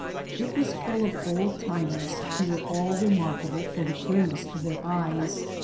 It was full of old timers who were all remarkable for the clearness of their eyes.